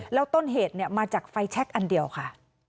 แล้วต้นเหตุมาจากไฟแช็คอันเดียวค่ะ